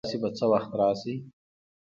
تاسو به څه وخت راشئ؟